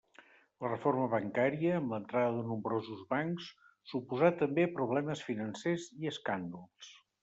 La reforma bancària, amb l'entrada de nombrosos bancs suposà també problemes financers i escàndols.